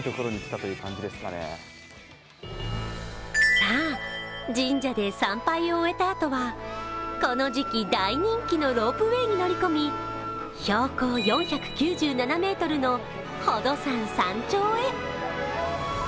さあ、神社で参拝を終えたあとはこの時期大人気のロープウエーに乗り込み標高４８７ｍの宝登山山頂へ。